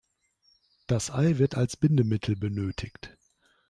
Das Ei wird als Bindemittel benötigt.